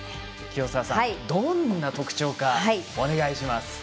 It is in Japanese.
清澤さん、どんな特徴かお願いします。